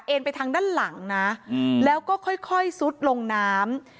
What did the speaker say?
เอ็นไปทางด้านหลังน่ะอืมแล้วก็ค่อยค่อยซุดลงน้ำ